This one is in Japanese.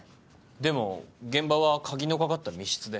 でも現場は鍵のかかった密室で。